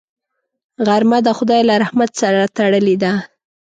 غرمه د خدای له رحمت سره تړلې ده